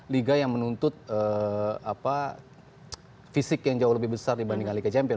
liga yang menuntut fisik yang jauh lebih besar dibandingkan liga champion